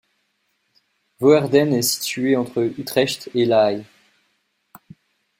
Woerden est située entre Utrecht et La Haye.